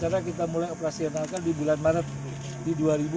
dan kecuali kita mulai operasi yang akan di bulan maret di dua ribu dua puluh dua